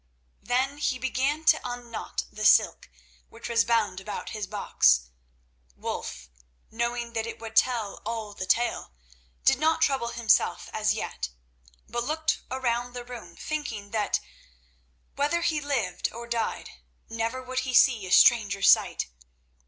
Then he began to unknot the silk which was bound about his box. Wulf, knowing that it would tell all the tale, did not trouble himself as yet, but looked around the room, thinking that, whether he lived or died, never would he see a stranger sight.